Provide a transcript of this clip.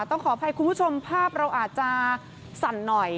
ต้องขออภัยคุณผู้ชมภาพเราอาจจะสั่นหน่อย